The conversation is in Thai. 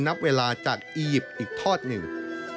นับเวลาจากอียิปต์อีกทอดหนึ่ง